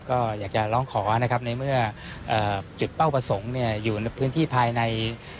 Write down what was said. ก็อยากจะร้องขอนะครับในเมื่อจุดเป้าประสงค์อยู่ในพื้นที่ภายใน